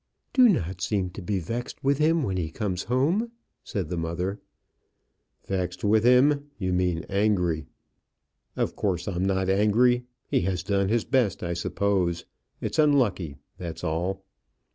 "Do not seem to be vexed with him when he comes home," said the mother. "Vexed with him! you mean angry. Of course, I'm not angry. He has done his best, I suppose. It's unlucky, that's all."